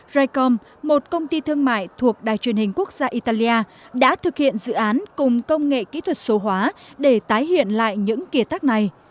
rycom một công ty thương mại thuộc đài truyền hình quốc gia italia đã thực hiện dự án cùng công nghệ kỹ thuật số hóa để tái hiện lại những kỳ thác này